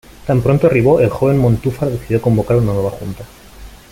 Tan pronto arribó, el joven Montúfar decidió convocar una nueva junta.